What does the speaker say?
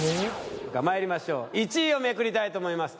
まいりましょう１位をめくりたいと思います